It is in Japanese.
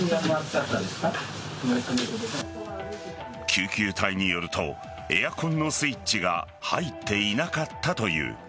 救急隊によるとエアコンのスイッチが入っていなかったという。